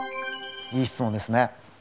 いい質問ですね。